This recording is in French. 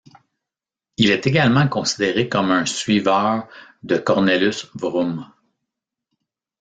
Il est également considéré comme un suiveur de Cornelis Vroom.